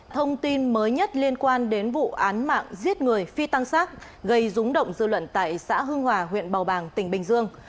thông tin mới nhất liên quan đến vụ án mạng giết người phi tăng sát gây rúng động dư luận tại xã hưng hòa huyện bào bàng tỉnh bình dương